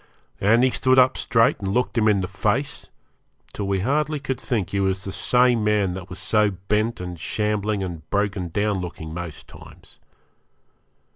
And he stood up straight and looked him in the face, till we hardly could think he was the same man that was so bent and shambling and broken down looking most times.